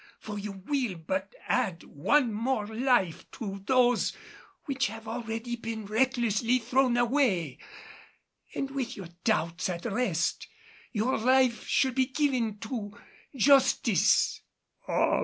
For you will but add one more life to those which have already been recklessly thrown away. And with your doubts at rest, your life should be given to Justice."